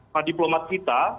para diplomat kita